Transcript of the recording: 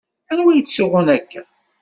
Anwa yettsuɣun akka?